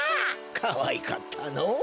かわいかったのぉ。